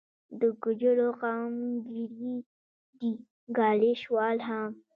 د ګوجرو قوم ګیري دي، ګالیش وال هم